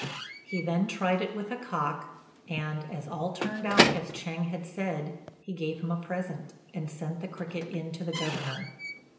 He then tried it with a cock, and as all turned out as Ch'êng had said, he gave him a present, and sent the cricket in to the Governor.